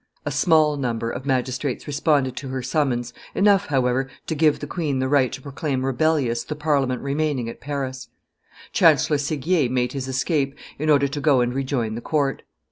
A small number of magistrates responded to her summons, enough, however, to give the queen the right to proclaim rebellious the Parliament remaining at Paris. Chancellor Srguier made his escape, in order to go and rejoin the court.